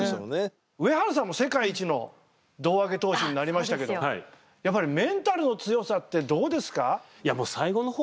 上原さんも世界一の胴上げ投手になりましたけどやっぱりメンタルの強さってどうですか？